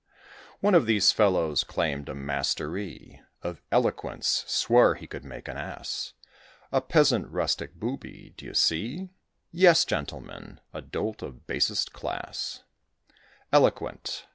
One of these fellows claimed a mastery Of eloquence; swore he could make an ass, "A peasant, rustic, booby, d'ye see? Yes, gentlemen, a dolt of basest class Eloquent.